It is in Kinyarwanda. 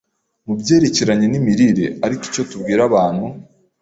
mu byerekeranye n’imirire; ariko icyo tubwira abantu